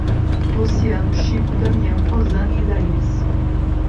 Luciano, Chico, Damião, Rosana e Isaías